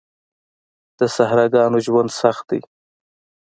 د صحراګانو ژوند سخت دی.